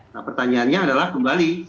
nah pertanyaannya adalah kembali